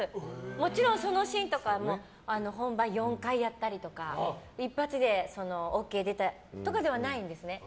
もちろんそのシーンとかも本番４回やったりとか一発でＯＫ出たとかではないんですね。